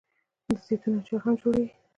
د زیتون اچار هم جوړیږي.